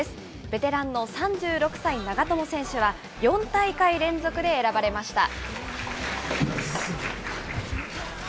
ベテランの３６歳、長友選手は、４大会連続で選ばれました。